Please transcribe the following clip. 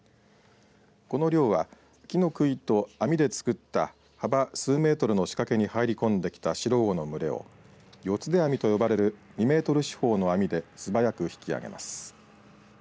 この漁は木のくいと網でつくった幅数メートルの仕掛けに入り込んできたシロウオ魚の群れを四つ手網と呼ばれる２メートル四方の網で素早く引き上げます。